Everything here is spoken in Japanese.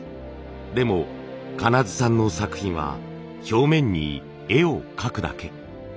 でも金津さんの作品は表面に絵を描くだけ。